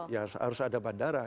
ya harus ada bandara